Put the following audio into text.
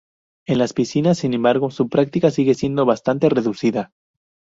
En las piscinas, sin embargo, su práctica sigue siendo bastante reducida.